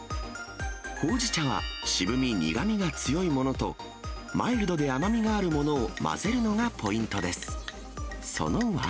ほうじ茶は渋み、苦みが強いものと、マイルドで甘みがあるものを混ぜるのがポイントです。